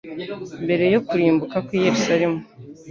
Mbere yo kurimbuka kw'i Yerusalemu,